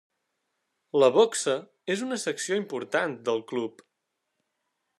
La boxa és una secció important del club.